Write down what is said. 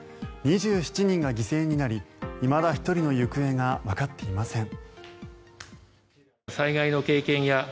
２７人が犠牲になりいまだ１人の行方がわかっていません。